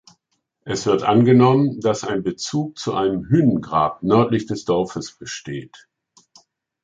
Es wird angenommen, dass ein Bezug zu einem Hünengrab nördlich des Dorfes besteht.